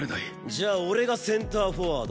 じゃあ俺がセンターフォワードな。